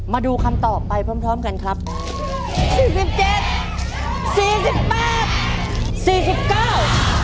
มาดูคำตอบไปพร้อมพร้อมกันครับสี่สิบเจ็ดสี่สิบแปดสี่สิบเก้า